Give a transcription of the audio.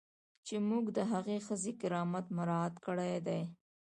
چې موږ د هغې ښځې کرامت مراعات کړی دی.